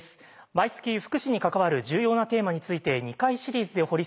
毎月福祉に関わる重要なテーマについて２回シリーズで掘り下げる特集。